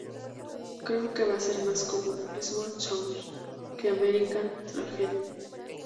Creo que va a ser más como "Swan Songs" que "American Tragedy".